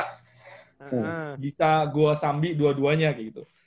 kita gua sambi dua duanya gitu